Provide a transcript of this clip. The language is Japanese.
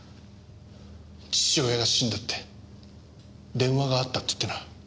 父親が死んだって電話があったって言ってな。